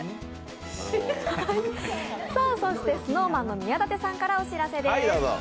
ＳｎｏｗＭａｎの宮舘さんからお知らせです。